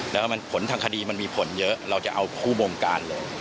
แล้วมันผลทางคดีมันมีผลเยอะเราจะเอาคู่บงการเลย